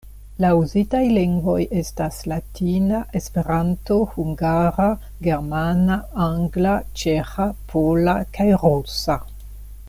La uzitaj lingvoj estas: latina, Esperanto, hungara, germana, angla, ĉeĥa, pola kaj rusa.